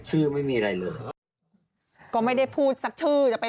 จะรวมรวมวันที่